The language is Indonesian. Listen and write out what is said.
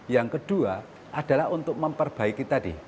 yang kedua adalah untuk memperbaiki tadi